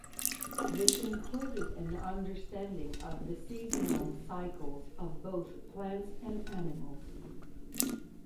This included an understanding of the seasonal cycles of both plants and animals.